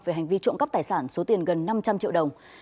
về hành vi trộm cắp tài sản số tiền gần năm trăm linh triệu đồng